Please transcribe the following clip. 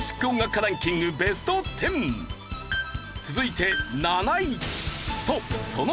続いて７位。